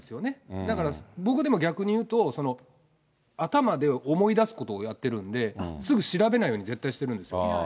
だから、僕でも逆に言うと、頭で思い出すことをやってるんで、すぐ調べないように、絶対してるんですよ。